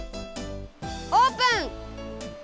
オープン！